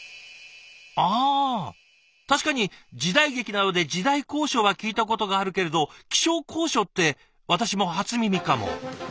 あ確かに時代劇などで「時代考証」は聞いたことがあるけれど「気象考証」って私も初耳かも。